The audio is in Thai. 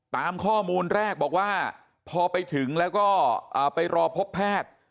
ตามข้อมูลแรกบอกว่าพอไปถึงแล้วก็ไปรอพบแพทย์